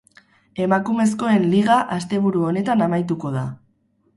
Emakumezkoen liga asteburu honetan amaituko da.